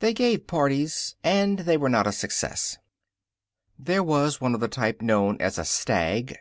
They gave parties, and they were not a success. There was one of the type known as a stag.